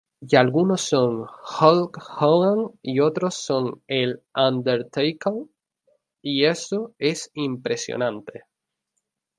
Y algunos son Hulk Hogan, y otros son El Undertaker, y eso es impresionante.